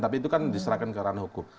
tapi itu kan diserahkan ke ranah hukum